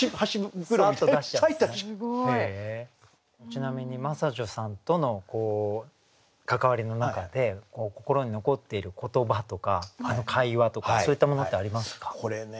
ちなみに真砂女さんとの関わりの中で心に残っている言葉とか会話とかそういったものってありますか？